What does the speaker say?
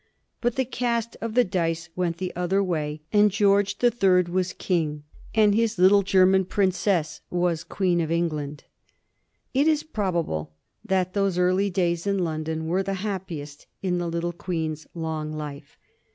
But the cast of the dice went the other way, and George the Third was King, and his little German Princess was Queen of England. [Sidenote 1761 The London gayeties of the time] It is probable that those early days in London were the happiest in the little Queen's long life.